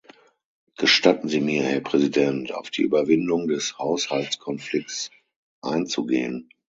Gestatten Sie mir, Herr Präsident, auf die Überwindung des Haushaltskonflikts einzugehen.